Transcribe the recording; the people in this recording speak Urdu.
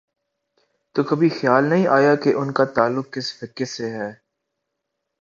تو کبھی خیال نہیں آیا کہ ان کا تعلق کس فقہ سے ہے۔